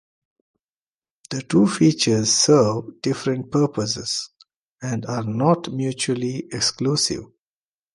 The two features serve different purposes and are not mutually exclusive.